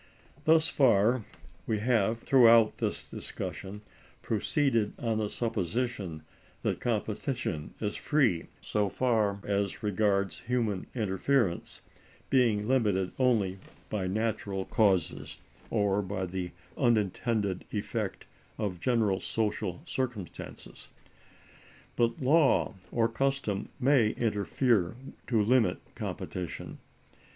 Thus far we have, throughout this discussion, proceeded on the supposition that competition is free, so far as regards human interference; being limited only by natural causes, or by the unintended effect of general social circumstances. But law or custom may interfere to limit competition.